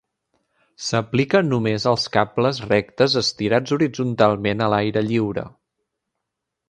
S'aplica només als cables rectes estirats horitzontalment a l'aire lliure.